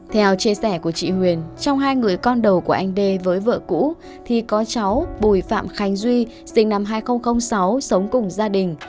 theo chia sẻ của chị huyền trong hai người con đầu của anh đê với vợ cũ thì có cháu bùi phạm khánh duy sinh năm hai nghìn sáu sống cùng gia đình